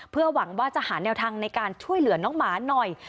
เพื่อหวังว่าจะหาแนวทางในการช่วยเหลือน้องหมาหน่อย